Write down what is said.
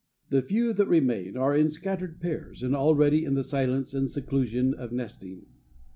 The few that remain are in scattered pairs and already in the silence and seclusion of nesting.